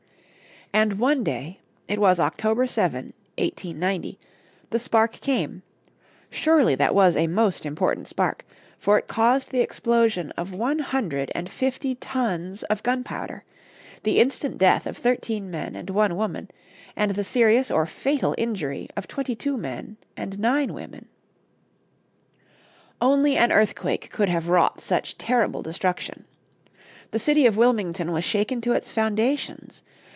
And one day it was October 7, 1890 the spark came; surely that was a most important spark, for it caused the explosion of one hundred and fifty tons of gunpowder, the instant death of thirteen men and one woman, and the serious or fatal injury of twenty two men and nine women. Only an earthquake could have wrought such terrible destruction. The city of Wilmington was shaken to its foundations.